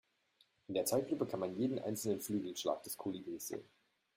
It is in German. In der Zeitlupe kann man jeden einzelnen Flügelschlag des Kolibris sehen.